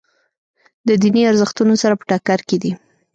د دیني ارزښتونو سره په ټکر کې دي.